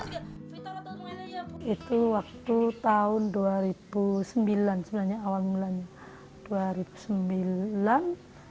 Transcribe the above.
itu waktu tahun dua ribu sembilan